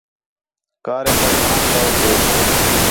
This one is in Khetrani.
کاریں تا گھݨاں شوق ھیس